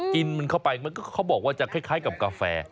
กินมันเข้าไปมันก็เขาบอกว่าจะคล้ายกับกาแฟ